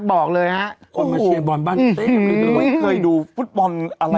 บอกเลยฮะเคยดูฟุตบอลอะไร